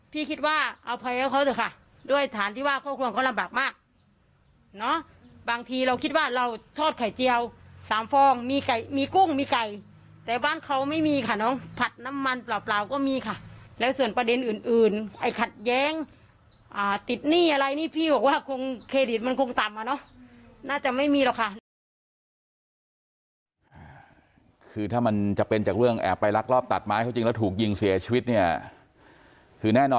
คิดว่าอภัยเขาเถอะค่ะด้วยฐานที่ว่าครอบครัวเขาลำบากมากเนอะบางทีเราคิดว่าเราทอดไข่เจียวสามฟองมีไก่มีกุ้งมีไก่แต่บ้านเขาไม่มีค่ะน้องผัดน้ำมันเปล่าก็มีค่ะแล้วส่วนประเด็นอื่นอื่นไอ้ขัดแย้งติดหนี้อะไรนี่พี่บอกว่าคงเครดิตมันคงต่ำอ่ะเนอะน่าจะไม่มีหรอกค่ะ